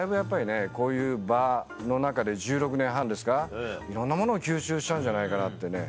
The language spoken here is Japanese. こういう場の中で１６年半ですかいろんなものを吸収したんじゃないかなってね。